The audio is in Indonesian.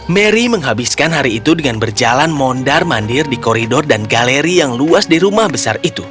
mary menghabiskan hari itu dengan berjalan mondar mandir di koridor dan galeri yang luas di rumah besar itu